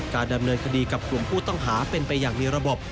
การดำเนินคดีกับกลุ่มผู้ต้องหาเป็นไปอย่างมีระบบ